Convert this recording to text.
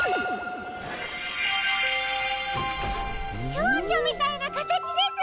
チョウチョみたいなかたちです！